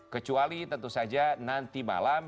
kecuali tentu saja nanti malam